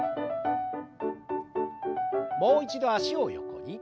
もう一度脚を横に。